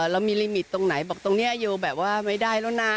เรามีลิมิตตรงไหนบอกตรงนี้โยแบบว่าไม่ได้แล้วนะ